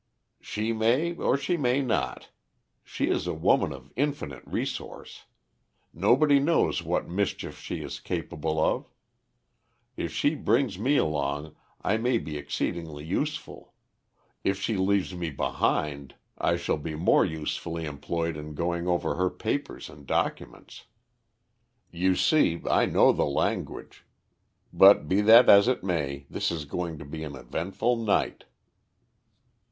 "She may or she may not. She is a woman of infinite resource. Nobody knows what mischief she is capable of. If she brings me along, I may be exceedingly useful; if she leaves me behind I shall be more usefully employed in going over her papers and documents. You see, I know the language. But, be that as it may, this is going to be an eventful night."